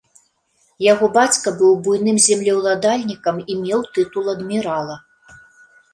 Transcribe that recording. Яго бацька быў буйным землеўладальнікам і меў тытул адмірала.